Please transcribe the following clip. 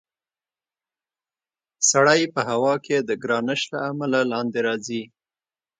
سړی په هوا کې د ګرانش له امله لاندې راځي.